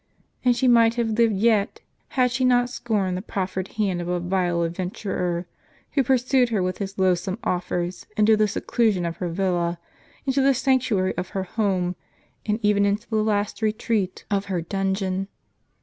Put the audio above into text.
And she might have lived yet, had she u u ®l Is.Lhb not scorned the proffered hand of a vile adventurer, who pur sued her with his loathsome offers into the seclusion of her villa, into the sanctuary of her home, and even into the last retreat of her dungeon.